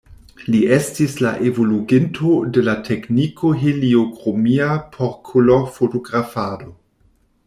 Li estis la evoluginto de la tekniko heliokromia por kolorfotografado.